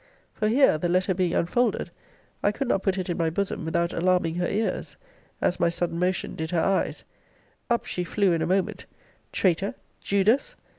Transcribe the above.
For here, the letter being unfolded, I could not put it in my bosom without alarming her ears, as my sudden motion did her eyes Up she flew in a moment: Traitor! Judas!